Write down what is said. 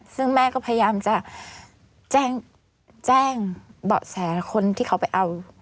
ซึ่งแม่ก็พยายามจะแจ้งเบาะแสคนที่เขาไปเอา